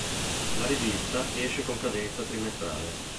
La rivista esce con cadenza trimestrale.